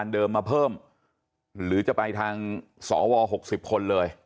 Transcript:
ที่มีสหวว๖๐คนเลย